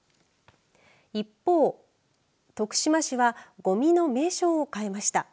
一方徳島市はごみの名称を変えました。